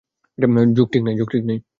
যুগ ঠিক নাই।